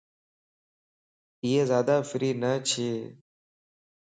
اي زيادا فري نه ڇي